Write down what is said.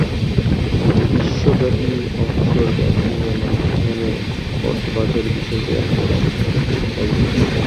বিশ্বব্যাপী অফশোর ব্যাংকিংয়ের মাধ্যমে অর্থ পাচারের বিষয়টি এখন ব্যাপকভাবে আলোচিত।